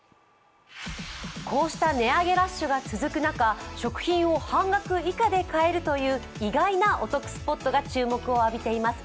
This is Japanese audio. こうした値上げラッシュが続く中、食品を半額以下で買えるという意外なお得スポットが注目を浴びています。